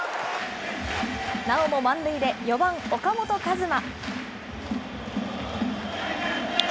なおも満塁で４番岡本和真。